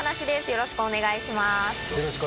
よろしくお願いします。